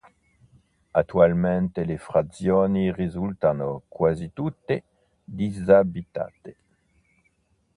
Attualmente le frazioni risultano quasi tutte disabitate.